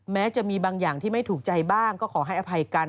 แม้จะมีบางอย่างที่ไม่ถูกใจบ้างก็ขอให้อภัยกัน